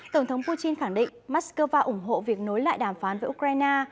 tổng thống putin khẳng định moscow ủng hộ việc nối lại đàm phán với ukraine